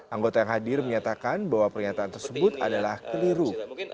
anggota yang hadir menyatakan bahwa pernyataan tersebut adalah keliru